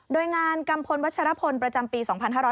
โดยงานกัมพลวัชรพลประจำปี๒๕๕๙